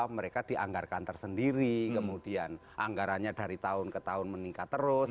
mereka dianggarkan tersendiri kemudian anggarannya dari tahun ke tahun meningkat terus